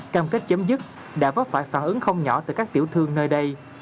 cam kết chấm dứt đã vấp phải phản ứng không nhỏ từ các tiểu thương nơi đây